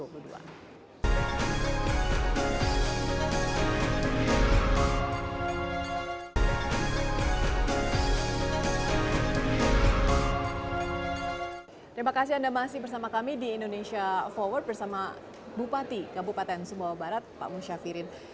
terima kasih anda masih bersama kami di indonesia forward bersama bupati kabupaten sumbawa barat pak musyafirin